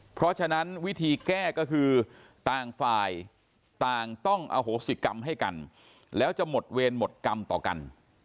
เพราะฉะนั้นวิธีแก้ก็คือต่างฝ่ายต่างต้องอโหสิกรรมให้กันแล้วจะหมดเวรหมดกรรมต่อกัน